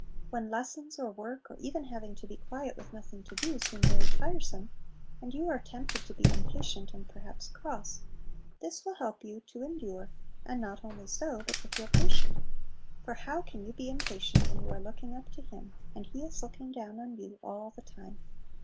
When lessons, or work, or even having to be quiet with nothing to do, seem very tiresome, and you are tempted to be impatient, and perhaps cross, this will help you to endure and not only so, but to feel patient; for how can you be impatient when you are looking up to Him, and He is looking down on you all the time!